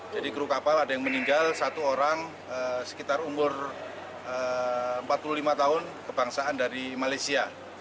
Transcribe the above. kru kapal ada yang meninggal satu orang sekitar umur empat puluh lima tahun kebangsaan dari malaysia